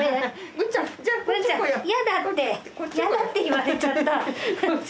文ちゃんやだってやだって言われちゃった。